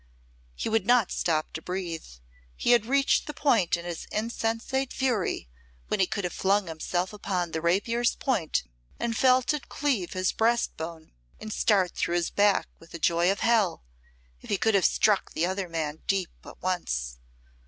He would not stop to breathe, he had reached the point in his insensate fury when he could have flung himself upon the rapier's point and felt it cleave his breastbone and start through his back with the joy of hell, if he could have struck the other man deep but once.